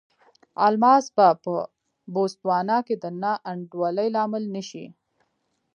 الماس به په بوتسوانا کې د نا انډولۍ لامل نه شي.